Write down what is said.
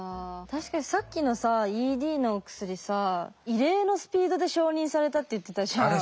確かにさっきのさＥＤの薬さ異例のスピードで承認されたって言ってたじゃん。